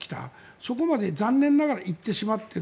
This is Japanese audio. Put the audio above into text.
そこまで残念ながら行ってしまっている。